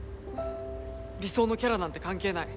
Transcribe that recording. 理想のキャラなんて関係ない。